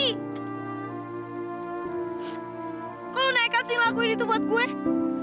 kok kamu naikkan sing lagu ini untuk saya